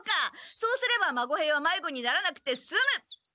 そうすれば孫兵はまいごにならなくてすむ！